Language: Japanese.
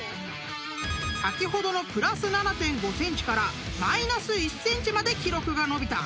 ［先ほどのプラス７．５ｃｍからマイナス１ｃｍまで記録が伸びた］